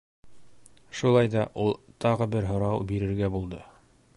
Шулай ҙа ул тағы бер һорау бирергә булды.